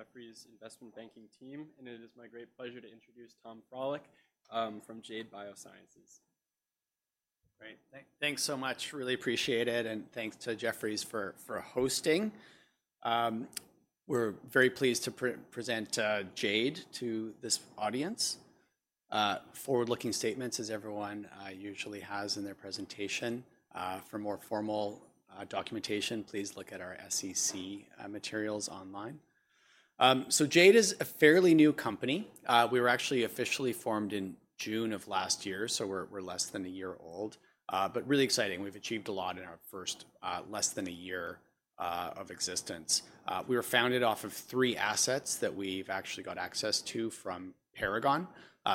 With the Jefferies Investment Banking Team, and it is my great pleasure to introduce Tom Frohlich from Jade Biosciences. Great. Thanks so much. Really appreciate it. Thanks to Jefferies for hosting. We're very pleased to present Jade to this audience. Forward-looking statements, as everyone usually has in their presentation. For more formal documentation, please look at our SEC materials online. Jade is a fairly new company. We were actually officially formed in June of last year, so we're less than a year old, but really exciting. We've achieved a lot in our first less than a year of existence. We were founded off of three assets that we've actually got access to from Paragon.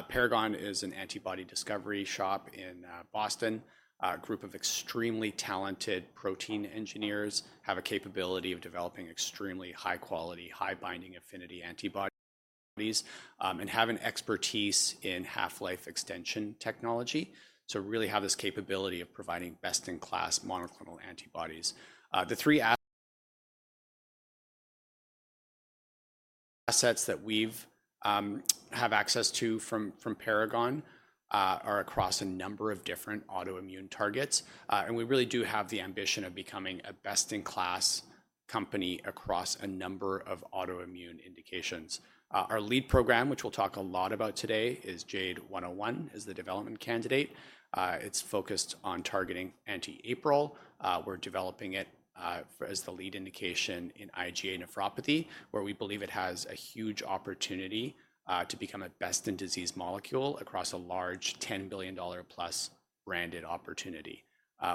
Paragon is an antibody discovery shop in Boston. A group of extremely talented protein engineers have a capability of developing extremely high-quality, high-binding affinity antibodies and have an expertise in half-life extension technology. Really have this capability of providing best-in-class monoclonal antibodies. The three assets that we have access to from Paragon are across a number of different autoimmune targets. We really do have the ambition of becoming a best-in-class company across a number of autoimmune indications. Our lead program, which we'll talk a lot about today, is JADE101, is the development candidate. It's focused on targeting anti-APRIL. We're developing it as the lead indication in IgA nephropathy, where we believe it has a huge opportunity to become a best-in-disease molecule across a large $10 billion+ branded opportunity.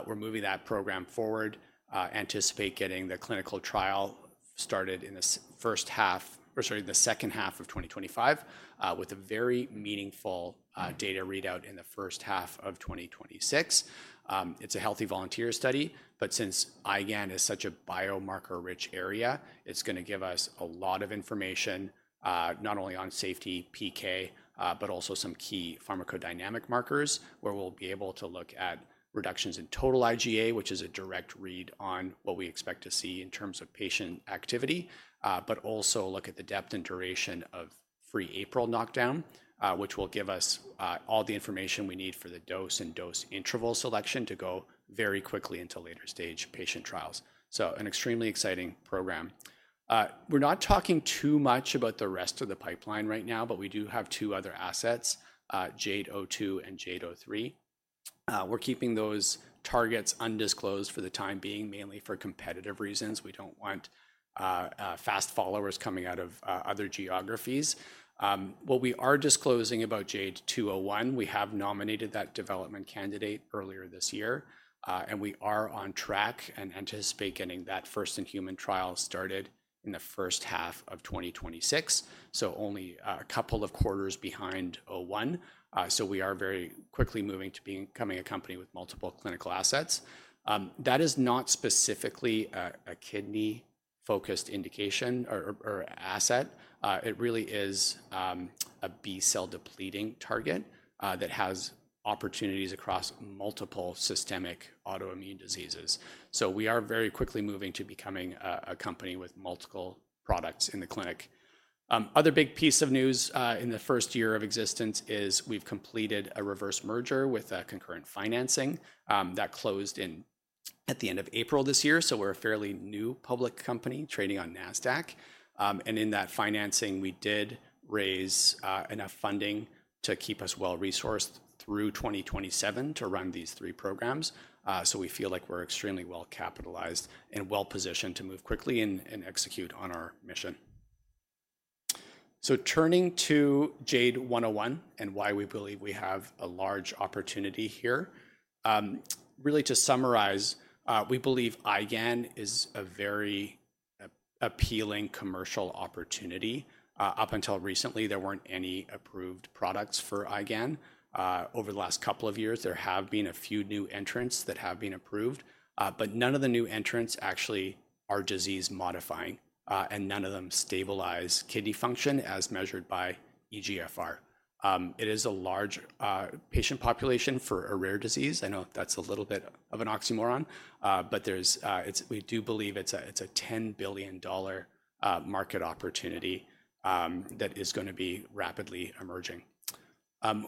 We're moving that program forward. Anticipate getting the clinical trial started in the first half or starting the second half of 2025, with a very meaningful data readout in the first half of 2026. It's a healthy volunteer study, but since IgAN is such a biomarker-rich area, it's going to give us a lot of information, not only on safety, PK, but also some key pharmacodynamic markers, where we'll be able to look at reductions in total IgA, which is a direct read on what we expect to see in terms of patient activity, but also look at the depth and duration of free APRIL knockdown, which will give us all the information we need for the dose and dose interval selection to go very quickly into later-stage patient trials. An extremely exciting program. We're not talking too much about the rest of the pipeline right now, but we do have two other assets, JADE-002 and JADE-003. We're keeping those targets undisclosed for the time being, mainly for competitive reasons. We don't want fast followers coming out of other geographies. What we are disclosing about JADE201, we have nominated that development candidate earlier this year, and we are on track and anticipate getting that first-in-human trial started in the first half of 2026, only a couple of quarters behind 001. We are very quickly moving to becoming a company with multiple clinical assets. That is not specifically a kidney-focused indication or asset. It really is a B-cell depleting target that has opportunities across multiple systemic autoimmune diseases. We are very quickly moving to becoming a company with multiple products in the clinic. Other big piece of news in the first year of existence is we've completed a reverse merger with concurrent financing that closed at the end of April this year. We are a fairly new public company trading on NASDAQ. In that financing, we did raise enough funding to keep us well-resourced through 2027 to run these three programs. We feel like we're extremely well-capitalized and well-positioned to move quickly and execute on our mission. Turning to JADE101 and why we believe we have a large opportunity here. Really, to summarize, we believe IgAN is a very appealing commercial opportunity. Up until recently, there were not any approved products for IgAN. Over the last couple of years, there have been a few new entrants that have been approved, but none of the new entrants actually are disease-modifying, and none of them stabilize kidney function as measured by EGFR. It is a large patient population for a rare disease. I know that is a little bit of an oxymoron, but we do believe it is a $10 billion market opportunity that is going to be rapidly emerging.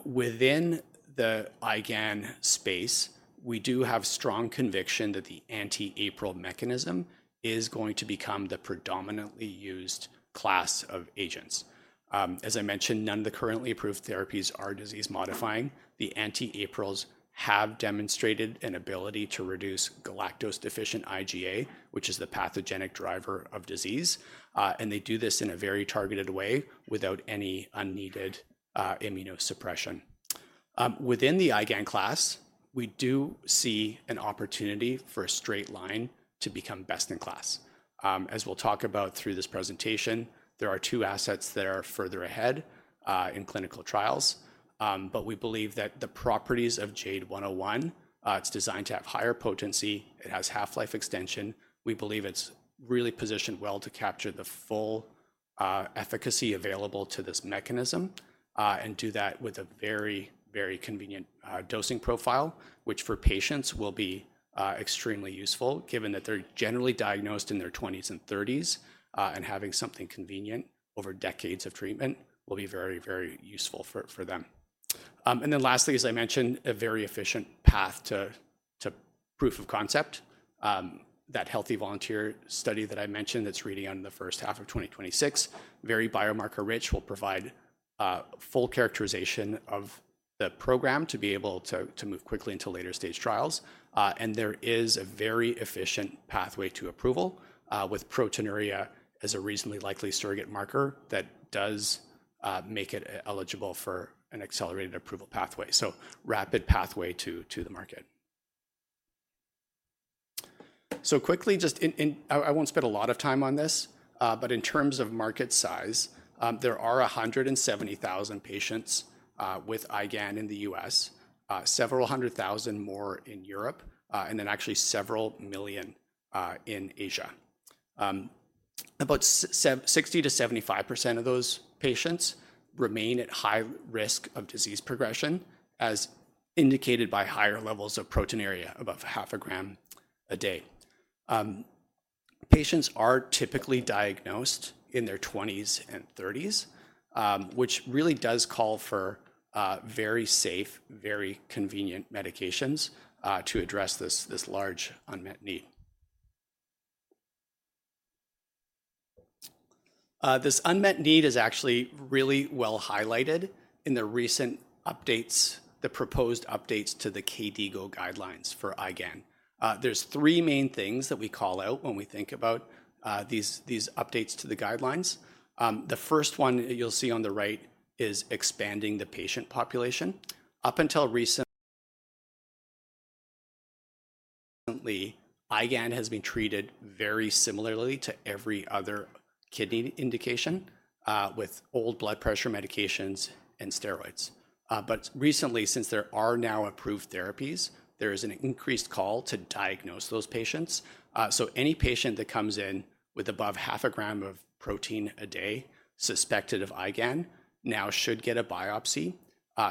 Within the IgAN space, we do have strong conviction that the anti-APRIL mechanism is going to become the predominantly used class of agents. As I mentioned, none of the currently approved therapies are disease-modifying. The anti-APRILs have demonstrated an ability to reduce galactose-deficient IgA, which is the pathogenic driver of disease. They do this in a very targeted way without any unneeded immunosuppression. Within the IgAN class, we do see an opportunity for a straight line to become best-in-class. As we'll talk about through this presentation, there are two assets that are further ahead in clinical trials. We believe that the properties of JADE101, it's designed to have higher potency. It has half-life extension. We believe it's really positioned well to capture the full efficacy available to this mechanism and do that with a very, very convenient dosing profile, which for patients will be extremely useful, given that they're generally diagnosed in their 20s and 30s, and having something convenient over decades of treatment will be very, very useful for them. Lastly, as I mentioned, a very efficient path to proof of concept. That healthy volunteer study that I mentioned that's reading out in the first half of 2026, very biomarker-rich, will provide full characterization of the program to be able to move quickly into later-stage trials. There is a very efficient pathway to approval with proteinuria as a reasonably likely surrogate marker that does make it eligible for an accelerated approval pathway. Rapid pathway to the market. Quickly, just I won't spend a lot of time on this, but in terms of market size, there are 170,000 patients with IgAN in the U.S., several hundred thousand more in Europe, and then actually several million in Asia. About 60%-75% of those patients remain at high risk of disease progression, as indicated by higher levels of proteinuria, about half a gram a day. Patients are typically diagnosed in their 20s and 30s, which really does call for very safe, very convenient medications to address this large unmet need. This unmet need is actually really well highlighted in the recent updates, the proposed updates to the KDIGO guidelines for IgAN. There are three main things that we call out when we think about these updates to the guidelines. The first one you'll see on the right is expanding the patient population. Up until recently, IgAN has been treated very similarly to every other kidney indication with old blood pressure medications and steroids. Recently, since there are now approved therapies, there is an increased call to diagnose those patients. Any patient that comes in with above 0.5 g of protein a day suspected of IgAN now should get a biopsy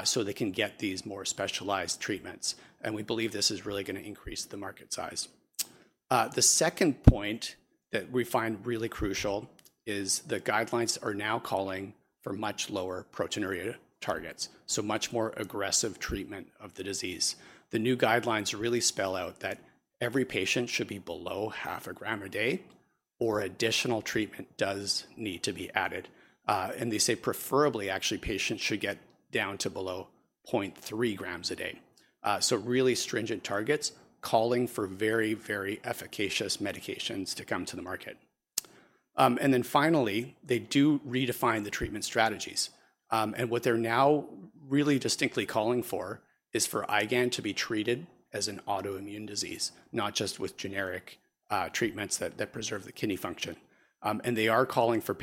so they can get these more specialized treatments. We believe this is really going to increase the market size. The second point that we find really crucial is the guidelines are now calling for much lower proteinuria targets, so much more aggressive treatment of the disease. The new guidelines really spell out that every patient should be below 0.5 g a day, or additional treatment does need to be added. They say preferably, actually, patients should get down to below 0.3 g a day. Really stringent targets calling for very, very efficacious medications to come to the market. Finally, they do redefine the treatment strategies. What they're now really distinctly calling for is for IgAN to be treated as an autoimmune disease, not just with generic treatments that preserve the kidney function. They are calling for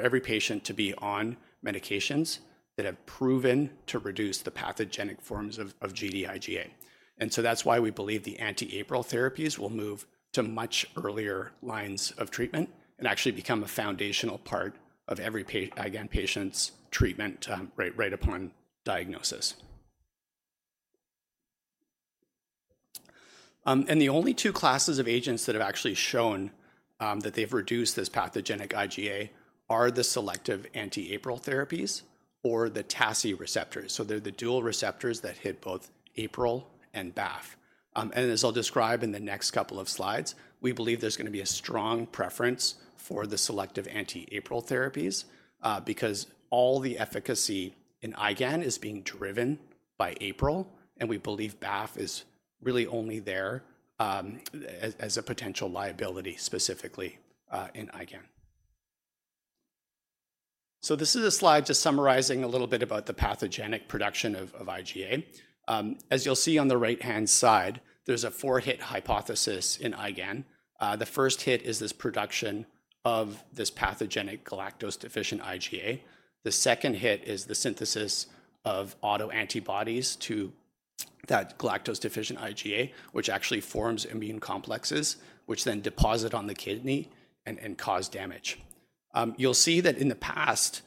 every patient to be on medications that have proven to reduce the pathogenic forms of Gd-IgA. That's why we believe the anti-APRIL therapies will move to much earlier lines of treatment and actually become a foundational part of every IgAN patient's treatment right upon diagnosis. The only two classes of agents that have actually shown that they've reduced this pathogenic IgA are the selective anti-APRIL therapies or the TACI receptors. They're the dual receptors that hit both APRIL and BAFF. As I'll describe in the next couple of slides, we believe there's going to be a strong preference for the selective anti-APRIL therapies because all the efficacy in IgAN is being driven by APRIL. We believe BAFF is really only there as a potential liability specifically in IgAN. This is a slide just summarizing a little bit about the pathogenic production of IgA. As you'll see on the right-hand side, there's a four-hit hypothesis in IgAN. The first hit is this production of this pathogenic galactose-deficient IgA. The second hit is the synthesis of autoantibodies to that galactose-deficient IgA, which actually forms immune complexes, which then deposit on the kidney and cause damage. You'll see that in the past,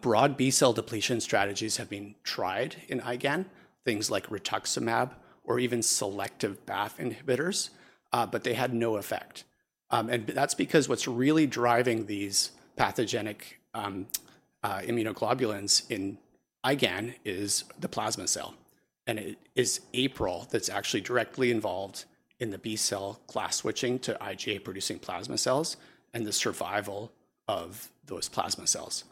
broad B-cell depletion strategies have been tried in IgAN, things like rituximab or even selective BAFF inhibitors, but they had no effect. That's because what's really driving these pathogenic immunoglobulins in IgAN is the plasma cell. It is APRIL that's actually directly involved in the B-cell class switching to IgA-producing plasma cells and the survival of those plasma cells.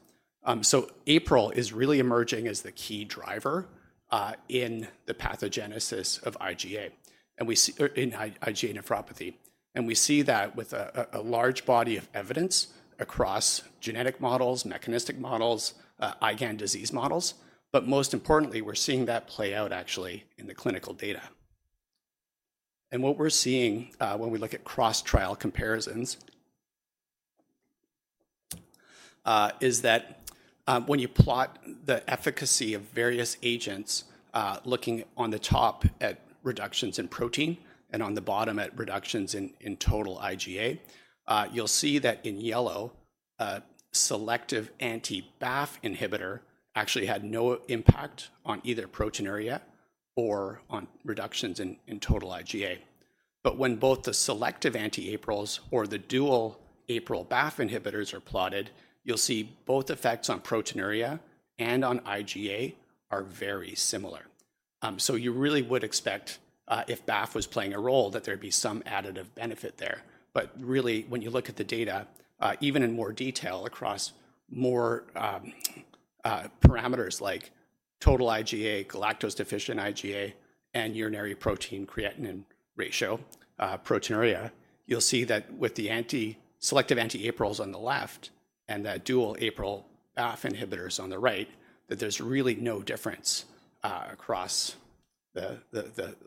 APRIL is really emerging as the key driver in the pathogenesis of IgA, in IgA nephropathy. We see that with a large body of evidence across genetic models, mechanistic models, IgAN disease models. Most importantly, we're seeing that play out actually in the clinical data. What we're seeing when we look at cross-trial comparisons is that when you plot the efficacy of various agents, looking on the top at reductions in protein and on the bottom at reductions in total IgA, you'll see that in yellow, selective anti-BAFF inhibitor actually had no impact on either proteinuria or on reductions in total IgA. When both the selective anti-APRILs or the dual APRIL/BAFF inhibitors are plotted, you'll see both effects on proteinuria and on IgA are very similar. You really would expect if BAFF was playing a role that there'd be some additive benefit there. Really, when you look at the data, even in more detail across more parameters like total IgA, galactose-deficient IgA, and urinary protein-creatinine ratio, proteinuria, you'll see that with the selective anti-APRILs on the left and the dual APRIL/BAFF inhibitors on the right, there's really no difference across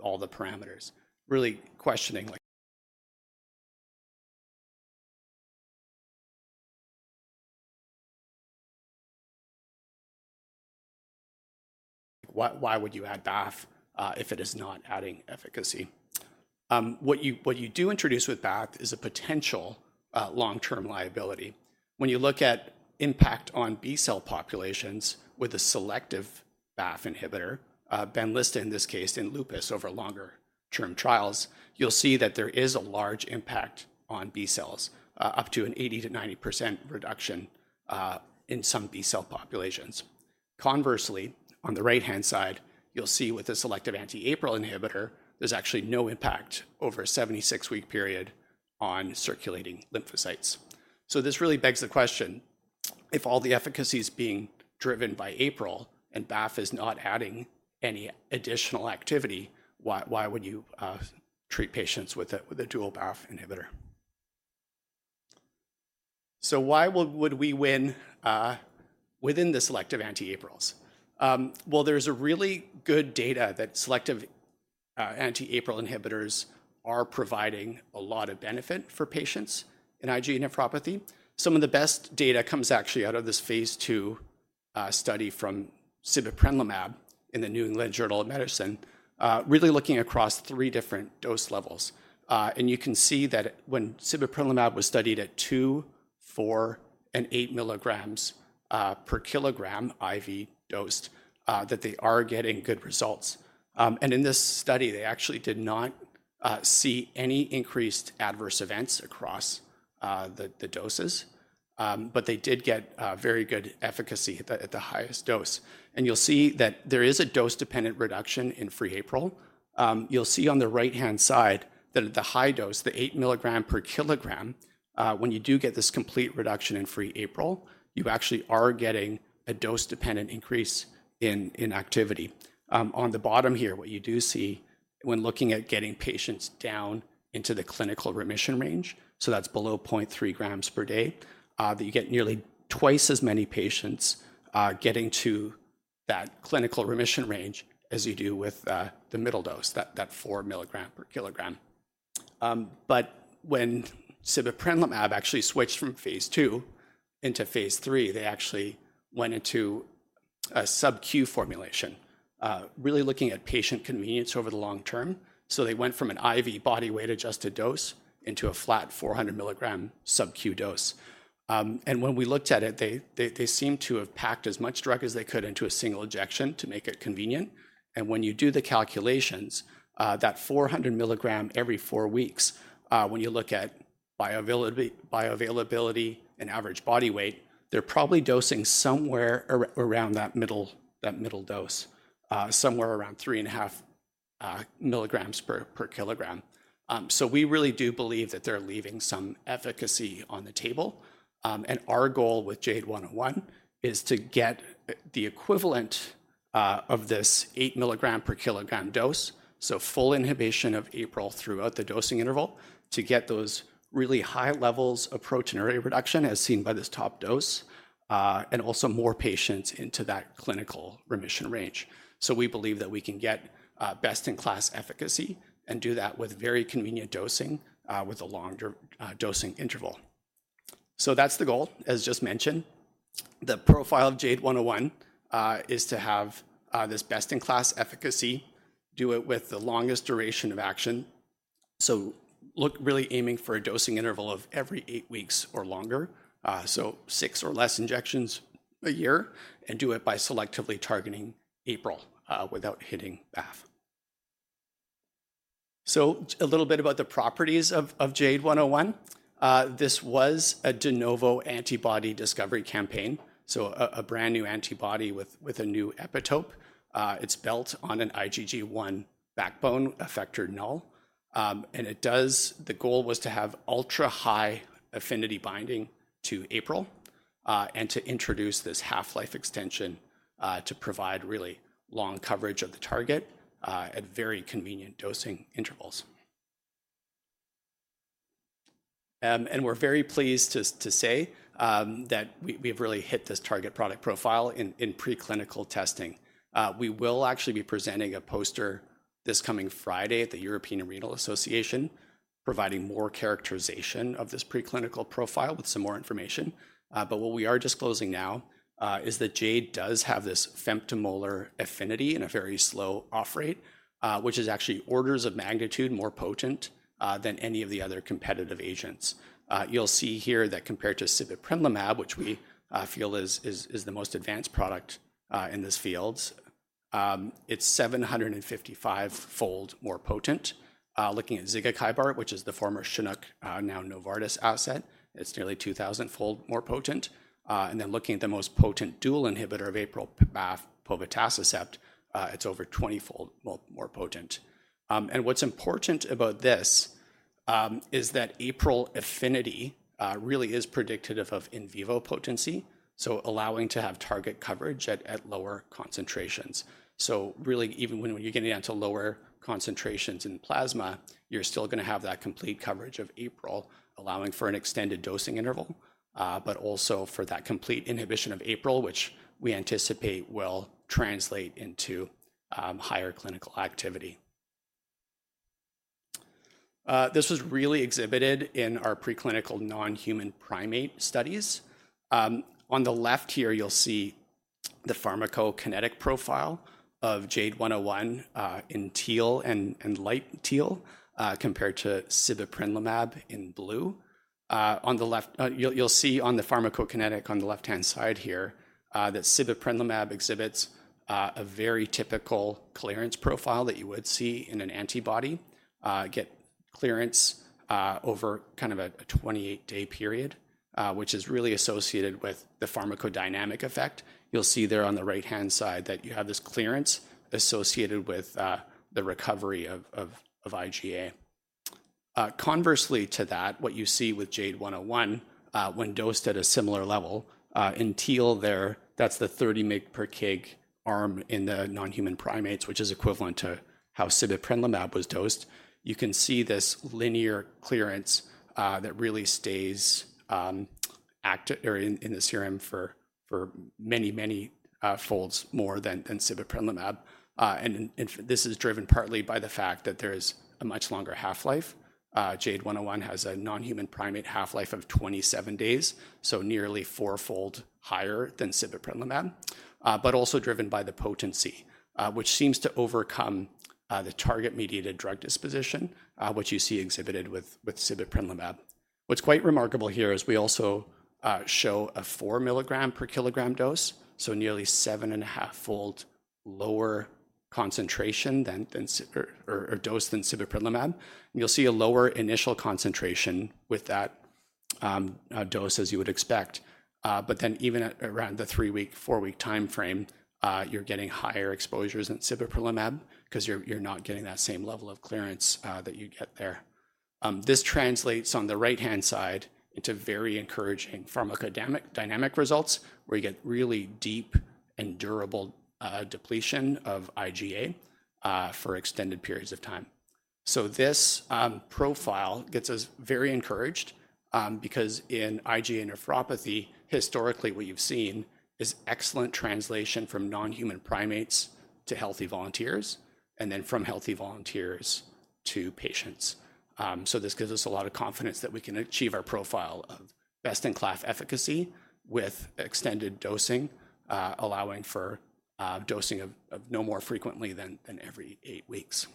all the parameters. Really questioning why would you add BAFF if it is not adding efficacy. What you do introduce with BAFF is a potential long-term liability. When you look at impact on B-cell populations with a selective BAFF inhibitor, BENLYSTA in this case in lupus over longer-term trials, you'll see that there is a large impact on B-cells, up to an 80%-90% reduction in some B-cell populations. Conversely, on the right-hand side, you'll see with a selective anti-APRIL inhibitor, there's actually no impact over a 76-week period on circulating lymphocytes. This really begs the question, if all the efficacy is being driven by APRIL and BAFF is not adding any additional activity, why would you treat patients with a dual BAFF inhibitor? Why would we win within the selective anti-APRILs? There is really good data that selective anti-APRIL inhibitors are providing a lot of benefit for patients in IgA nephropathy. Some of the best data comes actually out of this phase II study from sibeprenlimab in the New England Journal of Medicine, really looking across three different dose levels. You can see that when sibeprenlimab was studied at 2, 4, and 8 mg IV dosed, they are getting good results. In this study, they actually did not see any increased adverse events across the doses, but they did get very good efficacy at the highest dose. You will see that there is a dose-dependent reduction in free APRIL. You will see on the right-hand side that at the high dose, the 8 mg per kilogram, when you do get this complete reduction in free APRIL, you actually are getting a dose-dependent increase in activity. On the bottom here, what you do see when looking at getting patients down into the clinical remission range, so that's below 0.3 g per day, that you get nearly twice as many patients getting to that clinical remission range as you do with the middle dose, that 4 mg per kilogram. When sibeprenlimab actually switched from phase II into phase III, they actually went into a sub-Q formulation, really looking at patient convenience over the long term. They went from an IV body-weight-adjusted dose into a flat 400 mg sub-Q dose. When we looked at it, they seemed to have packed as much drug as they could into a single injection to make it convenient. When you do the calculations, that 400 mg every four weeks, when you look at bioavailability and average body weight, they're probably dosing somewhere around that middle dose, somewhere around 3.5 mg per kilogram. We really do believe that they're leaving some efficacy on the table. Our goal with JADE101 is to get the equivalent of this 8 mg per kilogram dose, so full inhibition of APRIL throughout the dosing interval, to get those really high levels of proteinuria reduction as seen by this top dose and also more patients into that clinical remission range. We believe that we can get best-in-class efficacy and do that with very convenient dosing with a longer dosing interval. That is the goal, as just mentioned. The profile of JADE101 is to have this best-in-class efficacy, do it with the longest duration of action. Really aiming for a dosing interval of every eight weeks or longer, so six or less injections a year, and do it by selectively targeting APRIL without hitting BAFF. A little bit about the properties of JADE101. This was a de novo antibody discovery campaign, so a brand-new antibody with a new epitope. It's built on an IgG1 backbone effector null. The goal was to have ultra-high affinity binding to APRIL and to introduce this half-life extension to provide really long coverage of the target at very convenient dosing intervals. We're very pleased to say that we've really hit this target product profile in preclinical testing. We will actually be presenting a poster this coming Friday at the European Renal Association, providing more characterization of this preclinical profile with some more information. What we are disclosing now is that Jade does have this femtomolar affinity and a very slow off rate, which is actually orders of magnitude more potent than any of the other competitive agents. You'll see here that compared to sibeprenlimab, which we feel is the most advanced product in this field, it's 755-fold more potent. Looking at zigakibart, which is the former Chinook, now Novartis asset, it's nearly 2,000-fold more potent. Looking at the most potent dual inhibitor of APRIL/BAFF, povatacicept, it's over 20-fold more potent. What's important about this is that APRIL affinity really is predictive of in vivo potency, so allowing to have target coverage at lower concentrations. Really, even when you're getting down to lower concentrations in plasma, you're still going to have that complete coverage of APRIL, allowing for an extended dosing interval, but also for that complete inhibition of APRIL, which we anticipate will translate into higher clinical activity. This was really exhibited in our preclinical non-human primate studies. On the left here, you'll see the pharmacokinetic profile of JADE101 in teal and light teal compared to sibeprenlimab in blue. On the left, you'll see on the pharmacokinetic on the left-hand side here that sibeprenlimab exhibits a very typical clearance profile that you would see in an antibody get clearance over kind of a 28-day period, which is really associated with the pharmacodynamic effect. You'll see there on the right-hand side that you have this clearance associated with the recovery of IgA. Conversely to that, what you see with JADE101 when dosed at a similar level in teal, that's the 30 mg/kg arm in the non-human primates, which is equivalent to how sibeprenlimab was dosed. You can see this linear clearance that really stays in the serum for many, many folds more than sibeprenlimab. This is driven partly by the fact that there is a much longer half-life. JADE101 has a non-human primate half-life of 27 days, so nearly four-fold higher than sibeprenlimab, but also driven by the potency, which seems to overcome the target-mediated drug disposition, which you see exhibited with sibeprenlimab. What's quite remarkable here is we also show a 4 mg/kg dose, so nearly 7.5-fold lower concentration or dose than sibeprenlimab. You will see a lower initial concentration with that dose, as you would expect. Then even around the three-week, four-week time frame, you're getting higher exposures than sibeprenlimab because you're not getting that same level of clearance that you get there. This translates on the right-hand side into very encouraging pharmacodynamic results, where you get really deep and durable depletion of IgA for extended periods of time. This profile gets us very encouraged because in IgA nephropathy, historically, what you've seen is excellent translation from non-human primates to healthy volunteers and then from healthy volunteers to patients. This gives us a lot of confidence that we can achieve our profile of best-in-class efficacy with extended dosing, allowing for dosing no more frequently than every eight weeks.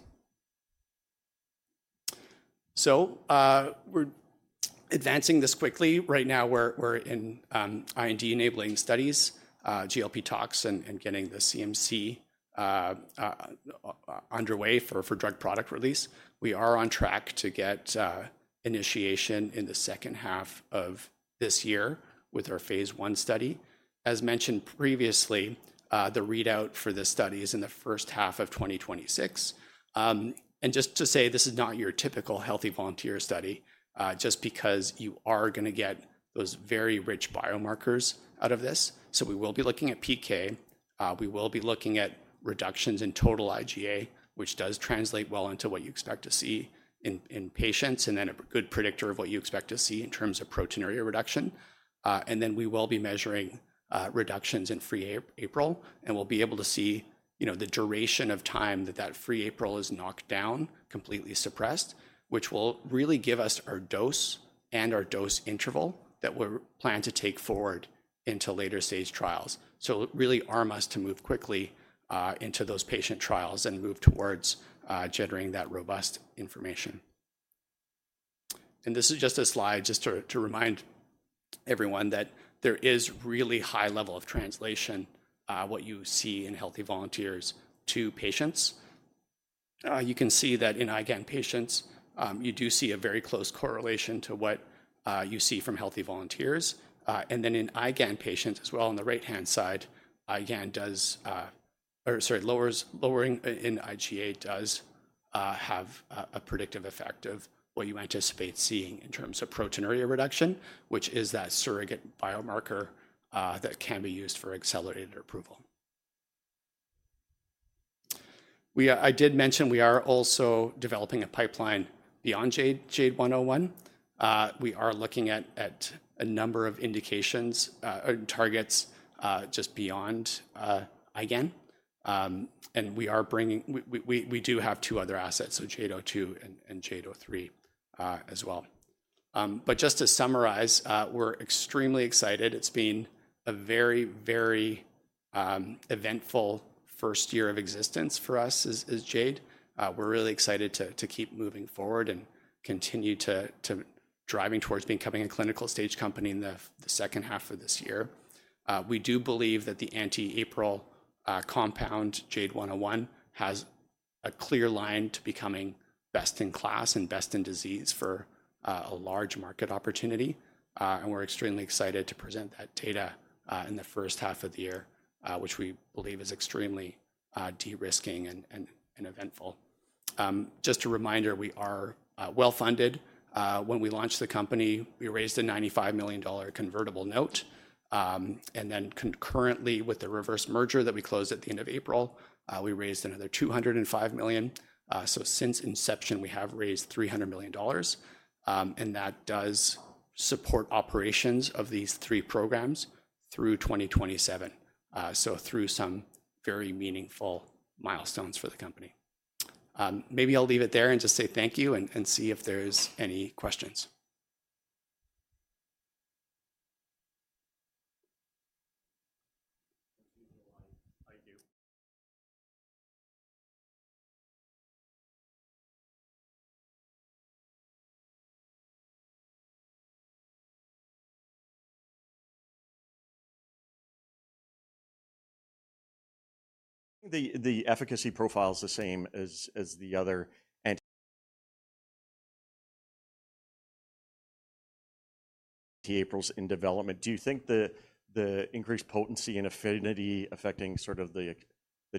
We're advancing this quickly. Right now, we're in IND-enabling studies, GLP tox and getting the CMC underway for drug product release. We are on track to get initiation in the second half of this year with our phase I study. As mentioned previously, the readout for this study is in the first half of 2026. Just to say, this is not your typical healthy volunteer study just because you are going to get those very rich biomarkers out of this. We will be looking at PK. We will be looking at reductions in total IgA, which does translate well into what you expect to see in patients and then a good predictor of what you expect to see in terms of proteinuria reduction. We will be measuring reductions in free APRIL. We will be able to see the duration of time that that free APRIL is knocked down, completely suppressed, which will really give us our dose and our dose interval that we are planning to take forward into later stage trials. That will really arm us to move quickly into those patient trials and move towards generating that robust information. This is just a slide just to remind everyone that there is really a high level of translation from what you see in healthy volunteers to patients. You can see that in IgAN patients, you do see a very close correlation to what you see from healthy volunteers. In IgAN patients as well, on the right-hand side, lowering in IgA does have a predictive effect of what you anticipate seeing in terms of proteinuria reduction, which is that surrogate biomarker that can be used for accelerated approval. I did mention we are also developing a pipeline beyond JADE101. We are looking at a number of indications and targets just beyond IgAN. We are bringing, we do have two other assets, so JADE-002 and JADE-003 as well. Just to summarize, we're extremely excited. It's been a very, very eventful first year of existence for us as Jade. We're really excited to keep moving forward and continue to drive towards becoming a clinical stage company in the second half of this year. We do believe that the anti-APRIL compound, JADE101, has a clear line to becoming best in class and best in disease for a large market opportunity. We're extremely excited to present that data in the first half of the year, which we believe is extremely de-risking and eventful. Just a reminder, we are well-funded. When we launched the company, we raised a $95 million convertible note. Then concurrently with the reverse merger that we closed at the end of April, we raised another $205 million. Since inception, we have raised $300 million. That does support operations of these three programs through 2027, through some very meaningful milestones for the company. Maybe I'll leave it there and just say thank you and see if there's any questions. The efficacy profile is the same as the other anti-APRILs in development. Do you think the increased potency and affinity affecting sort of the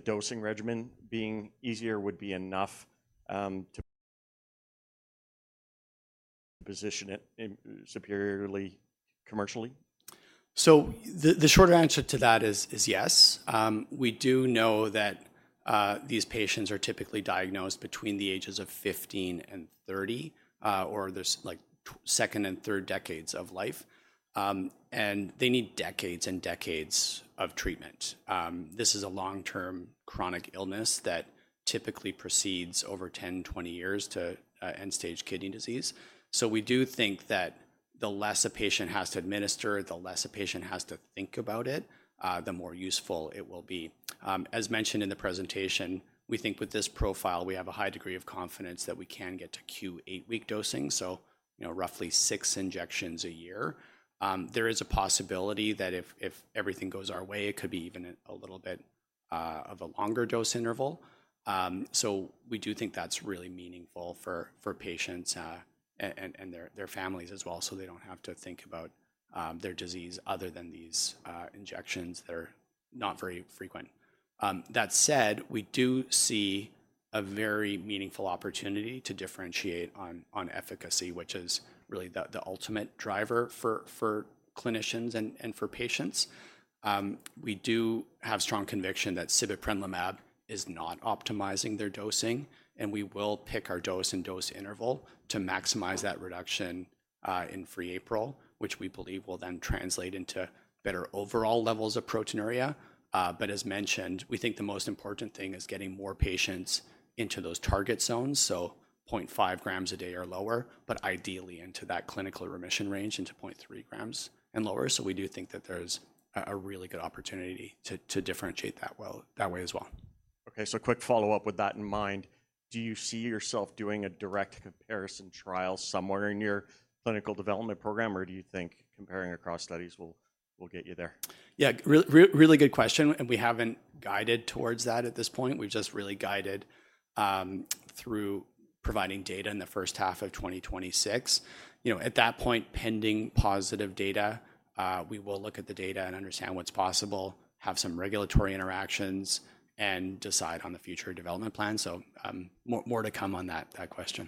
dosing regimen being easier would be enough to position it superiorly commercially? The short answer to that is yes. We do know that these patients are typically diagnosed between the ages of 15 and 30 or the second and third decades of life. They need decades and decades of treatment. This is a long-term chronic illness that typically proceeds over 10, 20 years to end-stage kidney disease. We do think that the less a patient has to administer, the less a patient has to think about it, the more useful it will be. As mentioned in the presentation, we think with this profile, we have a high degree of confidence that we can get to Q8-week dosing, so roughly six injections a year. There is a possibility that if everything goes our way, it could be even a little bit of a longer dose interval. We do think that is really meaningful for patients and their families as well, so they do not have to think about their disease other than these injections that are not very frequent. That said, we do see a very meaningful opportunity to differentiate on efficacy, which is really the ultimate driver for clinicians and for patients. We do have strong conviction that sibeprenlimab is not optimizing their dosing. We will pick our dose and dose interval to maximize that reduction in free APRIL, which we believe will then translate into better overall levels of proteinuria. As mentioned, we think the most important thing is getting more patients into those target zones, so 0.5 g a day or lower, but ideally into that clinical remission range, into 0.3 g and lower. We do think that there's a really good opportunity to differentiate that way as well. Okay. Quick follow-up with that in mind, do you see yourself doing a direct comparison trial somewhere in your clinical development program, or do you think comparing across studies will get you there? Yeah. Really good question. We have not guided towards that at this point. We have just really guided through providing data in the first half of 2026. At that point, pending positive data, we will look at the data and understand what is possible, have some regulatory interactions, and decide on the future development plan. More to come on that question.